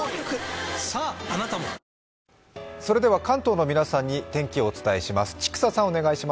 関東の皆さんに天気をお伝えします。